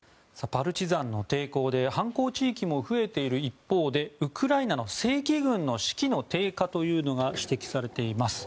パルチザンの抵抗で反抗地域も増えている一方でウクライナの正規軍の士気の低下というのが指摘されています。